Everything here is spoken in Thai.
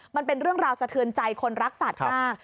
มันเป็นเรื่องราวสะเทือนใจคนรักสัตว์มาก